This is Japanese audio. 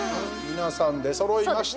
皆さん、出そろいました。